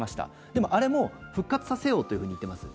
でも、あれも復活させようと言っています。